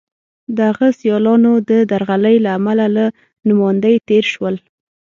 د هغه سیالانو د درغلۍ له امله له نوماندۍ تېر شول.